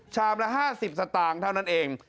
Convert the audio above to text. ชามละ๕๐สตางค์เท่านั้นเอง